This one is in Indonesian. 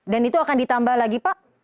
dan itu akan ditambah lagi pak